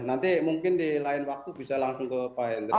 nanti mungkin di lain waktu bisa langsung ke pak hendry